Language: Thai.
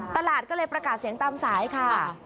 ตลาดก็เลยประกาศเสียงตามสายค่ะ